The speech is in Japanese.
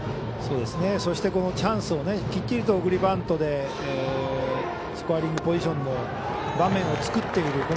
そして、チャンスをきっちりと送りバントでスコアリングポジションの場面を作っている。